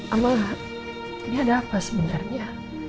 amanah ini ada apa sebenarnya